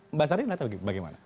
mbak sari anda lihat bagaimana